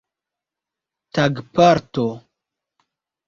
tagparto